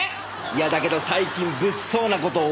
いやだけど最近物騒な事多くねえ？